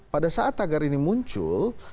pada saat tagar ini muncul